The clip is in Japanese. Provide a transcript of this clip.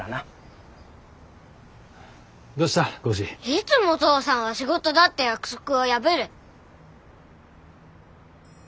いつも父さんは「仕事だ」って約束を破る。